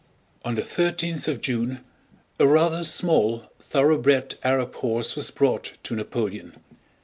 On the thirteenth of June a rather small, thoroughbred Arab horse was brought to Napoleon.